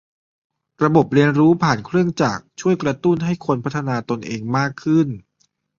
ระบบเรียนรู้ผ่านเครื่องจักรช่วยกระตุ้นให้คนพัฒนาตนเองมากขึ้น